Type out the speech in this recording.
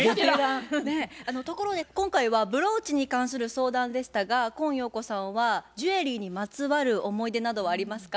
ところで今回はブローチに関する相談でしたが今陽子さんはジュエリーにまつわる思い出などはありますか？